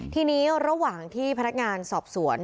ทีนี้ระหว่างที่พนักงานสอบสวน